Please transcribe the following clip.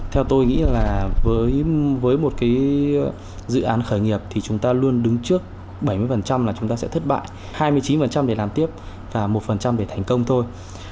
theo tôi nghĩ là với một cái dự án khởi nghiệp thì chúng ta luôn đứng trước bảy mươi là chúng ta sẽ thất bại hai mươi chín để làm tiếp và một để thành công thôi